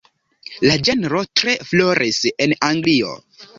La ĝenro tre floris en Anglio.